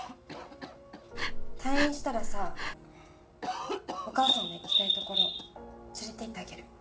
退院したらさお母さんの行きたい所連れて行ってあげる。